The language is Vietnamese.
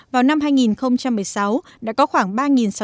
vào năm hai nghìn một mươi sáu đã có khoảng